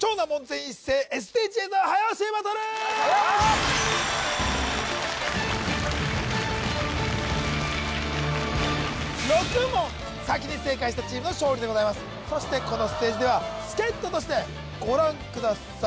全員一斉ＳＤＧｓ早押しバトル６問先に正解したチームの勝利でございますそしてこのステージでは助っ人としてご覧ください